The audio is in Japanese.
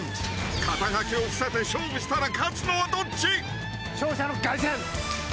肩書きを伏せて勝負したら勝つのはどっち？